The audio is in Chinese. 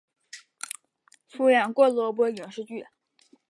出演过多部影视剧。